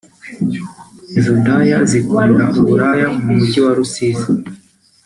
Izo ndaya zikorera uburaya mu Mujyi wa Rusizi